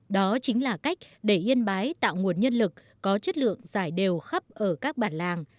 đó chính là cách để yên bái tạo nguồn nhân lực có chất lượng giải đều khắp ở các bản làng